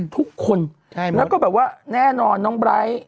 ทุกคนแล้วก็แบบว่าแน่นอนน้องไบร์ท